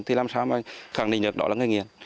thì làm sao mà khẳng định được đó là người nghiện